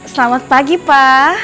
selamat pagi pa